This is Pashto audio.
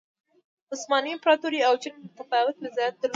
عثماني امپراتورۍ او چین متفاوت وضعیت درلود.